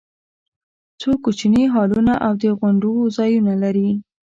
څو کوچني هالونه او د غونډو ځایونه لري.